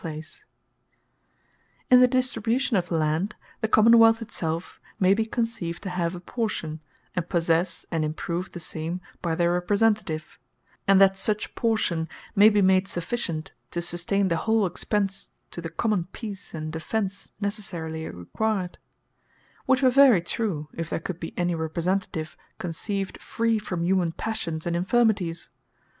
The Publique Is Not To Be Dieted In the Distribution of land, the Common wealth it selfe, may be conceived to have a portion, and possesse, and improve the same by their Representative; and that such portion may be made sufficient, to susteine the whole expence to the common Peace, and defence necessarily required: Which were very true, if there could be any Representative conceived free from humane passions, and infirmities.